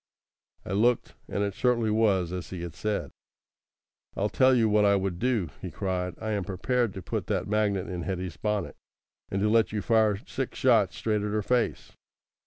I looked, and it certainly was as he had said. "I'll tell you what I would do," he cried. "I am prepared to put that magnet in Hetty's bonnet, and to let you fire six shots straight at her face.